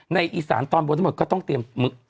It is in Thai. อีสานตอนบนทั้งหมดก็ต้องเตรียม